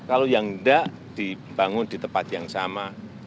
kalau yang enggak dibangun di tempat yang sama